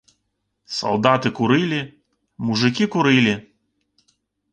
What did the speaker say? Салдаты курылі, мужыкі курылі.